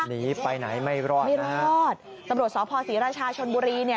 หนีไปไหนไม่รอดไม่รอดตำรวจสพศรีราชาชนบุรีเนี่ย